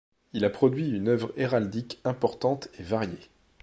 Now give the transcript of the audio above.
Il a produit une œuvre héraldique importante et variée.